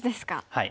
はい。